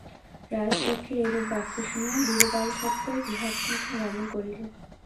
রাজলক্ষ্মীর এইরূপ বাক্য শুনিয়া বীরবর সত্বর গৃহাভিমুখে গমন করিল।